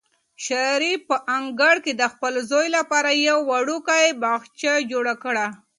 شریف په انګړ کې د خپل زوی لپاره یو وړوکی باغچه جوړه کړه.